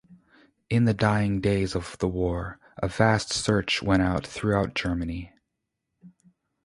In the dying days of the war, a vast search went out throughout Germany.